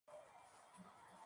La "u" se transforma a "eru".